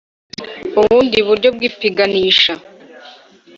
Ubundi buryo bw ipiganisha